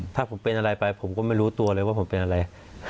ถ้าผมเป็นอะไรไปผมก็ไม่รู้ตัวเลยว่าผมเป็นอะไร